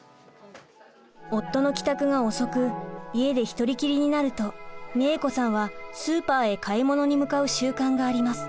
夫の帰宅が遅く家で一人きりになるとみえ子さんはスーパーへ買い物に向かう習慣があります。